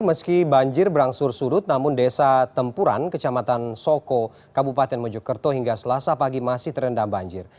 meski banjir berangsur surut namun desa tempuran kecamatan soko kabupaten mojokerto hingga selasa pagi masih terendam banjir